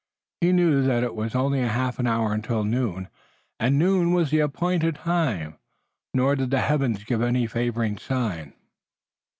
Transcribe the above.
He knew that it was only a half hour until noon, and noon was the appointed time. Nor did the heavens give any favoring sign.